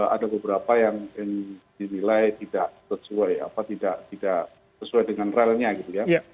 ada beberapa yang dinilai tidak sesuai dengan realnya